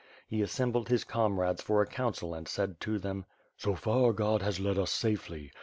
He assembled his com rades for a council and said to them: "So far God has led us safely.